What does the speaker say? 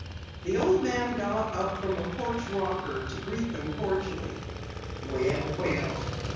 The old man got up from a porch rocker to greet them cordially. "Well! Well!